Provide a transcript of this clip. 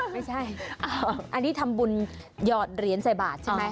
ไม่ใช่อันนี้ทำบุญหยอดเหรียญใส่บาทใช่ไหม